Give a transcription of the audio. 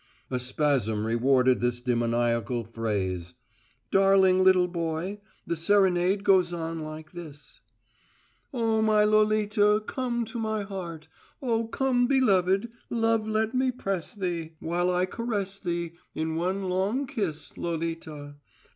A spasm rewarded this demoniacal phrase. "Darling little boy, the serenade goes on like this: Oh, my Lolita, come to my heart: Oh, come beloved, love let me press thee, While I caress thee In one long kiss, Lolita!